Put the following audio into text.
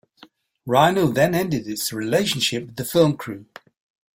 Rhino then ended its relationship with The Film Crew.